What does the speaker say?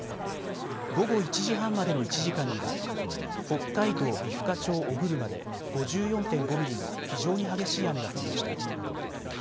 午後１時半までの１時間には北海道美深町小車で５４．５ミリの非常に激しい雨が降りました。